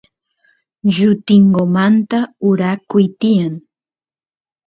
llutingumanta uraykuy tiyan